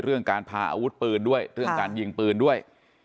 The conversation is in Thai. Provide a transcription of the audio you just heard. เรื่องการพาอาวุธปืนด้วยเรื่องการยิงปืนด้วย